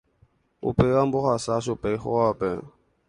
Upéva ombohasa chupe hógape.